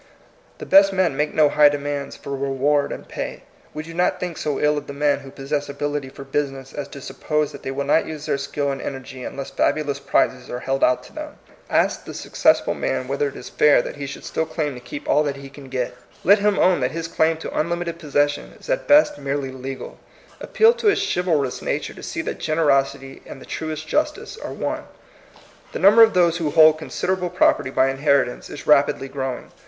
The best men make no high demands for reward and pay. We do not think so ill of the men who pos sess ability for business as to suppose that they will not use their skill and energy unless fabulous prizes are held out to them. Ask the successful man whether it is fair that he should still claim to keep all that THE MOTTO OF VICTORY. 183 he can get. Let him own that his claim to unlimited possession is at best merely legal. Appeal to his chivalrous nature to see that generosity and the truest justice are one. The number of those who hold consid erable property by inheritance is rapidly growing.